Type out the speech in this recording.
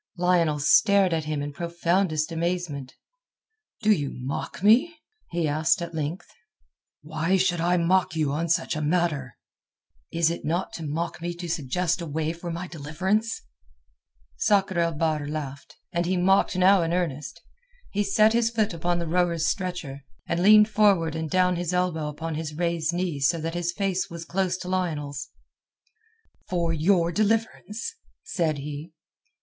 Lionel stared at him in profoundest amazement. "Do you mock me?" he asked at length. "Why should I mock you on such a matter?" "Is it not to mock me to suggest a way for my deliverance?" Sakr el Bahr laughed, and he mocked now in earnest. He set his left foot upon the rowers' stretcher, and leaned forward and down his elbow upon his raised knee so that his face was close to Lionel's. "For your deliverance?" said he.